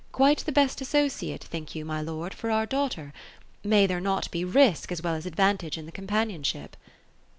— quite the best associate, think you, my lord, for our daughter? May there not be risk as well as advantage in the companionship?"